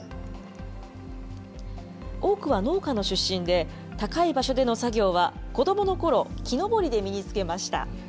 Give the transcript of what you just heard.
多くは農家の出身で、高い場所での作業は、子どものころ、木登りで身につけました。